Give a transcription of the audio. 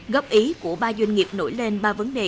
góp ý của ba doanh nghiệp nổi lên ba vấn đề